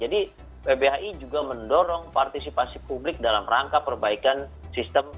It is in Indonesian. jadi pbhi juga mendorong partisipasi publik dalam rangka perbaikan sistem